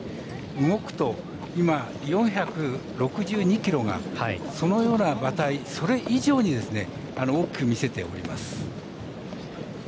動くと、今、４６２ｋｇがそのような馬体それ以上に大きく見せております。